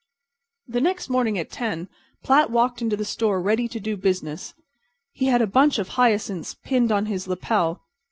The next morning at 10 Platt walked into the store ready to do business. He had a bunch of hyacinths pinned on his lapel.